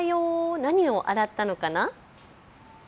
何を洗ったのかな。